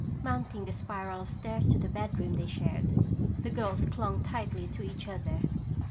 Mounting the spiral stairs to the bedroom they shared, the girls clung tightly to each other.